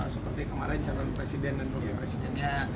seperti kemarin calon presiden dan wakil presidennya